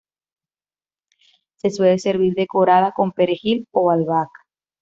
Se suele servir decorada con perejil o albahaca.